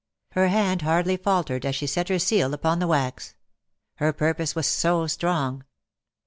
Her hand hardly faltered as she set her seal upon the wax : her purpose was so strong.